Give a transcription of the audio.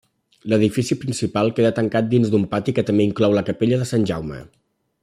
L'edifici principal queda tancat dins d'un pati que també inclou la capella de Sant Jaume.